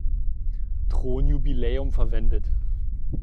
Thronjubiläum verwendet.